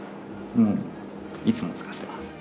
いつも使ってます。